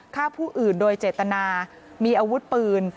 ฆ่าผู้อื่นโดยเจตนามีอาวุธปืน